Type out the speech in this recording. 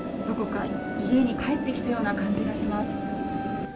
どこか家に帰ってきたような感じがします。